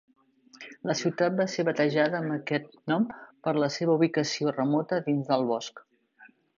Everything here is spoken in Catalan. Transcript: La ciutat va ser batejada amb aquest nom per la seva ubicació remota dins del bosc.